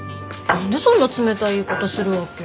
何でそんな冷たい言い方するわけ？